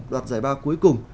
đoạt giải ba cuối cùng